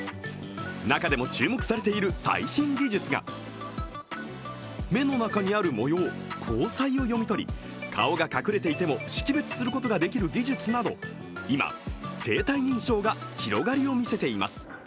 中でも注目されている最新技術が目の中にある模様、虹彩を読み取り、顔が隠れていても識別することができる技術など今、生体認証が広がりを見せています。